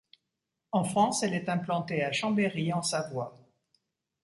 En France elle est implantée à Chambéry en Savoie.